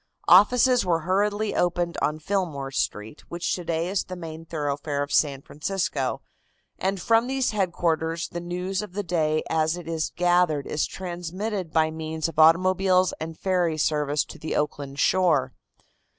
Offices were hurriedly opened on Fillmore Street, which today is the main thoroughfare of San Francisco, and from these headquarters the news of the day as it is gathered is transmitted by means of automobiles and ferry service to the Oakland shore.